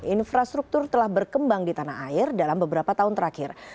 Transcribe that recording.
infrastruktur telah berkembang di tanah air dalam beberapa tahun terakhir